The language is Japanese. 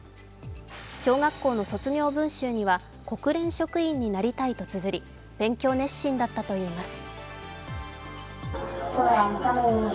小学校の卒業文集には「国連職員になりたい」とつづり、勉強熱心だったといいます。